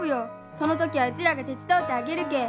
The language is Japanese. その時はうちらが手伝うてあげるけえ。